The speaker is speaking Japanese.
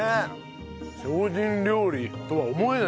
精進料理とは思えない。